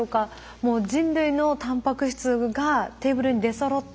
もう人類のタンパク質がテーブルに出そろった。